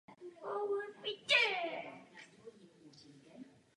Oba případy se rovnají mlácení prázdné slámy.